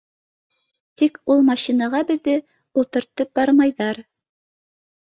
Тик ул машинаға беҙҙе ултыртып бармайҙар.